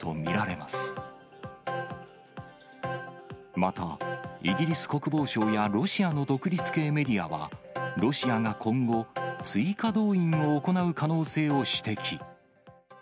また、イギリス国防省やロシアの独立系メディアは、ロシアが今後、追加動員を行う可能性を指摘。